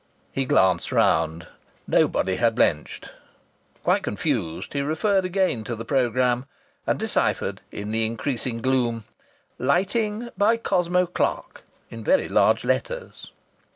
He glanced round. Nobody had blenched. Quite confused, he referred again to the programme and deciphered in the increasing gloom: "Lighting by Cosmo Clark," in very large letters.